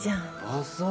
あっそう。